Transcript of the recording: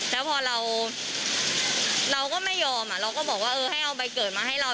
แล้วพอเราก็ไม่ยอมเราก็บอกว่าเออให้เอาใบเกิดมาให้เรา